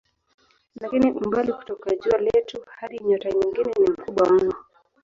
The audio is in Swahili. Lakini umbali kutoka jua letu hadi nyota nyingine ni mkubwa mno.